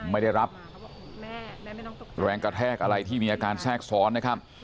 ไม่ได้รับแรงกระแทกอะไรที่มีอาการแทรกซ้อนนะครับ